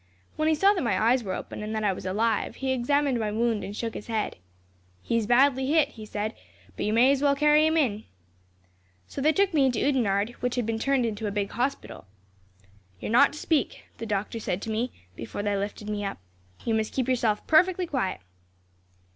When he saw that my eyes were open, and that I was alive, he examined my wound and shook his head. "'He is badly hit,' he said, 'but you may as well carry him in.' "So they took me into Oudenarde, which had been turned into a big hospital. "'You are not to speak,' the doctor said to me, before they lifted me up. 'You must keep yourself perfectly quiet.'